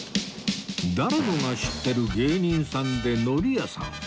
誰もが知ってる芸人さんで海苔屋さん